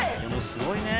すごいね。